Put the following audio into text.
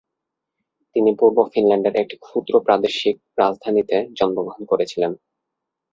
তিনি পূর্ব ফিনল্যান্ডের একটি ক্ষুদ্র প্রাদেশিক রাজধানীতে জন্মগ্রহণ করেছিলেন।